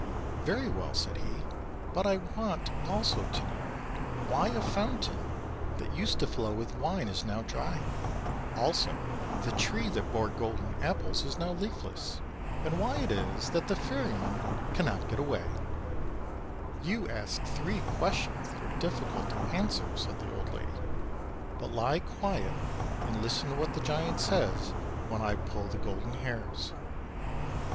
"Very well," said he; "but I want also to know why a fountain that used to flow with wine is now dry; Avhy the tree that bore golden apples is now leafless; and why it is that the ferryman cannot get away." 68 OLD, OLD FALRY TALES. "You ask three questions that are difficult to answer," said the old lad} 7 ; "but lie quiet and listen to what the giant says when I pull the golden hairs."